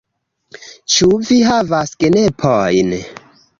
Ĉu vi havas genepojn?